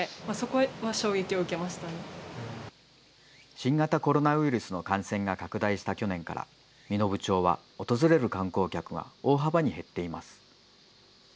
新型コロナウイルスの感染が拡大した去年から、身延町は訪れる観光客が大幅に減っています。